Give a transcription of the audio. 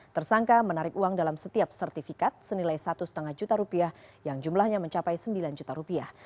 tersangka menarik uang dalam setiap sertifikat senilai satu lima juta rupiah yang jumlahnya mencapai sembilan juta rupiah